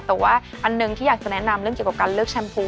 แต่ว่าอันหนึ่งที่อยากจะแนะนำเรื่องเกี่ยวกับการเลือกแชมพู